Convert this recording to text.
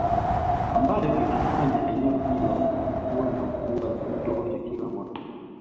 Ambayo inalifanya eneo hilo kuwa na mvua za kutosha kila mwaka